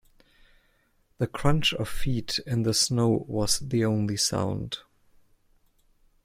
The crunch of feet in the snow was the only sound.